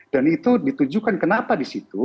dan itu ditujukan kenapa disitu